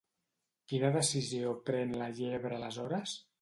Quina decisió pren la llebre aleshores?